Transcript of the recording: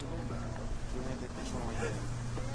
چوہیں تے پِچھوں وین٘دِن